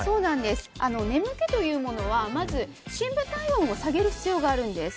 眠気というものはまず深部体温を下げる必要があるんです。